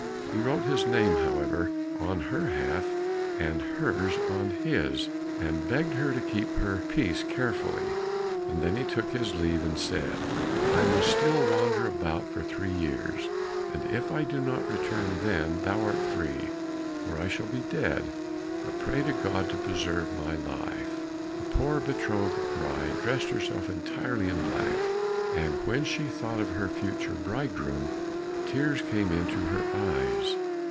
He wrote his name, however, on her half, and hers on his, and begged her to keep her piece carefully, and then he took his leave and said, "I must still wander about for three years, and if I do not return then, thou art free, for I shall be dead. But pray to God to preserve my life." The poor betrothed bride dressed herself entirely in black, and when she thought of her future bridegroom, tears came into her eyes.